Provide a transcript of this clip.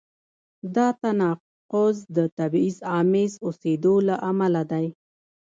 دا تناقض د تبعیض آمیز اوسېدو له امله دی.